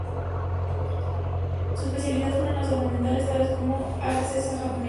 Su especialidad fueron las ornamentales, tales como arces japoneses.